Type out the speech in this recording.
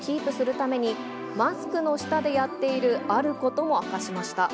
ために、マスクの下でやっているあることも明かしました。